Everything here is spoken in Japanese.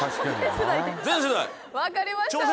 分かりました。